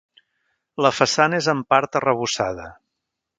La façana és en part arrebossada.